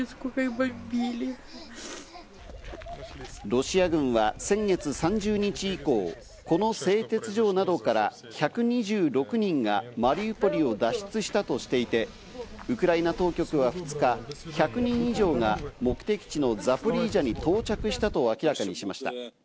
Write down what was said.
ロシア軍は先月３０日以降、この製鉄所などから１２６人がマリウポリを脱出したとしていて、ウクライナ当局は２日、１００人以上が目的地のザポリージャに到着したと明らかにしました。